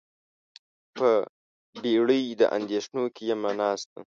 په بیړۍ د اندیښنو کې یمه ناسته